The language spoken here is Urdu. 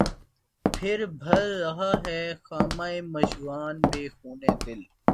پهر بهر رہا ہے خامہ مژگاں، بہ خونِ دل